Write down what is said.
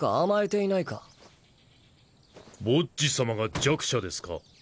ボッジ様が弱者ですか？